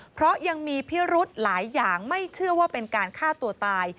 เพราะยังมีพิรุธหลายอย่างไม่เชื่อว่าเป็นการฆ่าตัวตาย